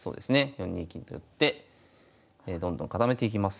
４二金と寄ってどんどん固めていきます。